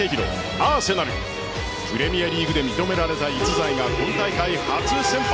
アーセナルプレミアリーグで認められた逸材が今大会初先発。